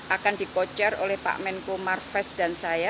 akan dikocer oleh pak menko marves dan saya